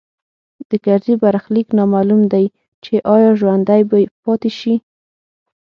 د کرزي برخلیک نامعلوم دی چې ایا ژوندی به پاتې شي